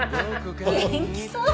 元気そう！